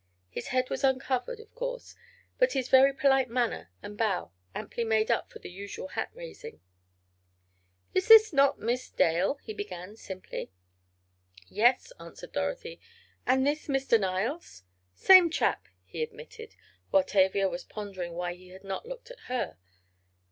His head was uncovered, of course, but his very polite manner and bow amply made up for the usual hat raising. "Is not this Miss Dale?" he began, simply. "Yes," answered Dorothy, "and this Mr. Niles?" "Same chap," he admitted, while Tavia was wondering why he had not looked at her.